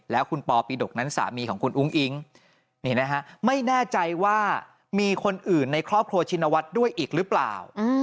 แล้วคุณปอปีดกนั้นสามีของคุณอุ้งอิ๊งนี่นะฮะไม่แน่ใจว่ามีคนอื่นในครอบครัวชินวัฒน์ด้วยอีกหรือเปล่า